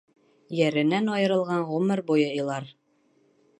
Йәренән айырылған ғүмер буйы илар.